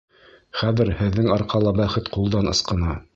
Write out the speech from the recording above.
Хәҙер һеҙҙең арҡала бәхет ҡулдан ысҡына!